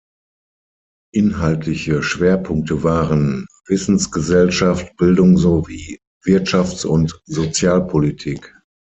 Inhaltliche Schwerpunkte waren: Wissensgesellschaft, Bildung sowie Wirtschafts- und Sozialpolitik.